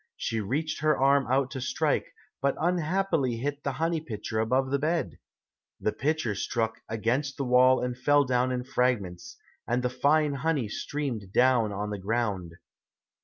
She reached her arm out to strike, but unhappily hit the honey pitcher above the bed. The pitcher struck against the wall and fell down in fragments, and the fine honey streamed down on the ground.